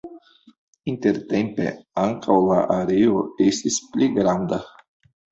Intertempe ankaŭ la areo estis pli granda.